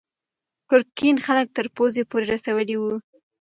ګرګین خلک تر پوزې پورې رسولي وو.